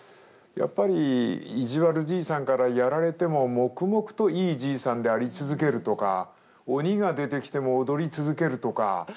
やっぱり意地悪じいさんからやられても黙々といいじいさんであり続けるとか鬼が出てきても踊り続けるとか。